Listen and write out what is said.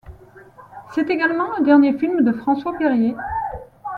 C'est également le dernier film de François Périer.